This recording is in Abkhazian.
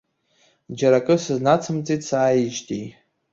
Џьара акы сызнацымҵеит сааижьҭеи.